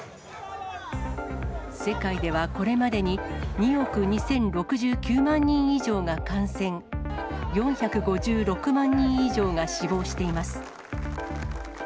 世界ではこれまでに、２億２０６９万人以上が感染、４５６万人以上が死亡しています。